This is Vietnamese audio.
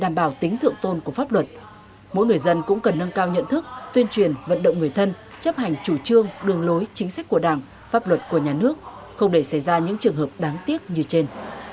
để bảo tính thượng tôn của pháp luật mỗi người dân cũng cần nâng cao nhận thức tuyên truyền vận động người thân chấp hành chủ trương đường lối chính sách của đảng pháp luật của nhà nước không để xảy ra những trường hợp đáng tiếc như trên